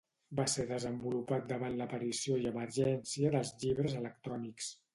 Va ser desenvolupat davant l'aparició i emergència dels llibres electrònics.